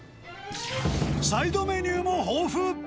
サイドメニューも豊富。